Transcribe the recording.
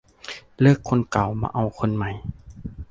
เลิกคนเก่ามาเอาคนใหม่